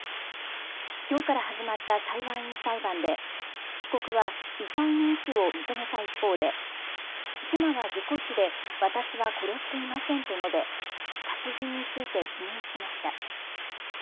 きょうから始まった裁判員裁判で被告は遺体の遺棄を認めた一方で妻は事故死で私は殺していませんと述べ殺人について否認しました。